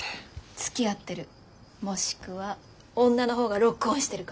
つきあってるもしくは女のほうがロックオンしてるか。